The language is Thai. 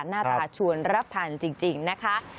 หน้าตาชวนรับทานจริงนะคะ